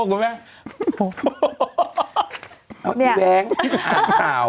โอ้โหคุณแบงค์